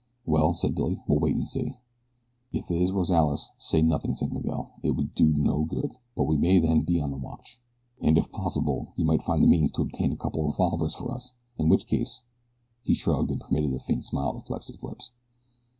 "Well," said Billy, "we'll wait and see." "If it is Rozales, say nothing," said Miguel. "It will do no good; but we may then be on the watch, and if possible you might find the means to obtain a couple of revolvers for us. In which case " he shrugged and permitted a faint smile to flex his lips.